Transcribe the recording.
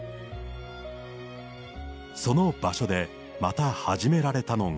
その場所でまた始められたのが。